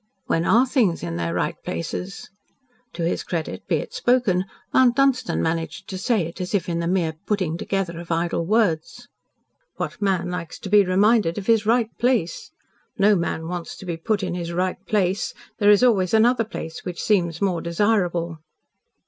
"When ARE things in their right places?" To his credit be it spoken, Mount Dunstan managed to say it as if in the mere putting together of idle words. What man likes to be reminded of his right place! No man wants to be put in his right place. There is always another place which seems more desirable.